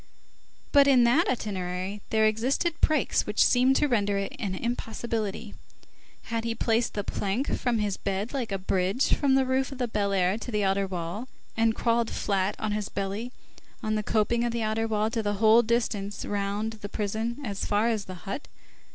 But in that itinerary there existed breaks which seemed to render it an impossibility. Had he placed the plank from his bed like a bridge from the roof of the Fine Air to the outer wall, and crawled flat, on his belly on the coping of the outer wall the whole distance round the prison as far as the hut?